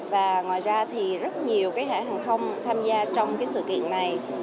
và ngoài ra thì rất nhiều hãng hàng không tham gia trong sự kiện này